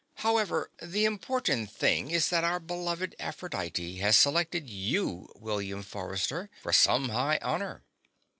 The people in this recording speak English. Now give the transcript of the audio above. "However, the important thing is that our beloved Aphrodite has selected you, William Forrester, for some high honor."